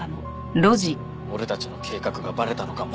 俺たちの計画がバレたのかも。